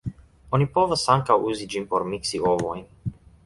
Oni povas ankaŭ uzi ĝin por miksi ovojn.